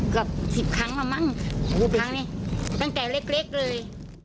เกือบสิบครั้งแล้วมั้งครั้งนี้ตั้งแต่เล็กเล็กเลย